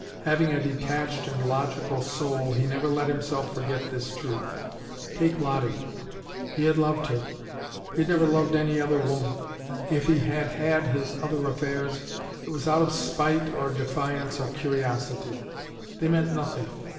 Having a detached and logical soul, he never let himself forget this truth. Take Lottie! He had loved her. He had never loved any other woman. If he had had his other affairs it was out of spite or defiance or curiosity. They meant nothing.